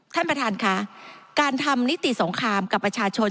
ท่านประธานค่ะการทำนิติสงครามกับประชาชน